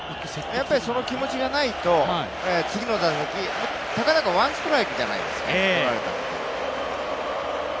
やっぱりその気持ちがないと次の打席、たかだかワンストライクじゃないですか、とられたって。